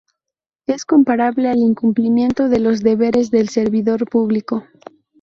Es comparable al incumplimiento de los deberes del servidor público.